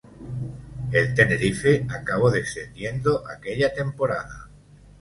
El Tenerife acabó descendiendo aquella temporada.